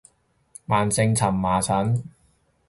慢性蕁麻疹